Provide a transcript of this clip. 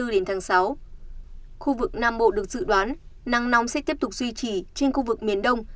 khu vực nam bộ được dự đoán nắng nóng sẽ tiếp tục duy trì trên khu vực miền đông